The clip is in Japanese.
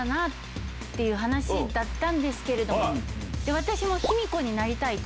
私も卑弥呼になりたいと。